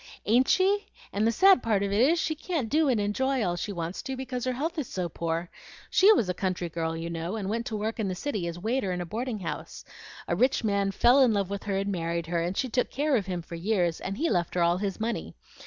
"Ain't she? and the sad part of it is, she can't do and enjoy all she wants to, because her health is so poor. She was a country girl, you know, and went to work in the city as waiter in a boarding house. A rich man fell in love with her and married her, and she took care of him for years, and he left her all his money.